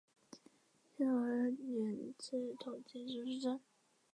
隆兴二年赐同进士出身。